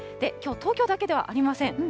きょう、東京だけではありません。